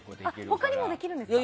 他にもできるんですか？